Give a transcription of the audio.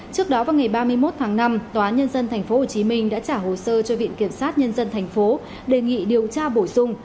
trước đó vào ngày ba mươi một tháng năm tòa nhân dân tp hcm đã trả hồ sơ cho viện kiểm sát nhân dân tp đề nghị điều tra bổ sung